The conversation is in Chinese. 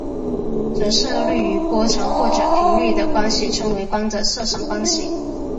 折射率与波长或者频率的关系称为光的色散关系。